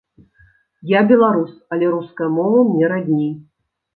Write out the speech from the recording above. Я беларус, але руская мова мне радней.